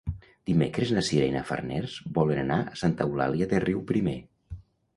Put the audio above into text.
Dimecres na Sira i na Farners volen anar a Santa Eulàlia de Riuprimer.